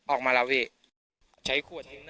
ออกมาแล้วพี่